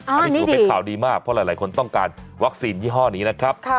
อันนี้ถือเป็นข่าวดีมากเพราะหลายคนต้องการวัคซีนยี่ห้อนี้นะครับ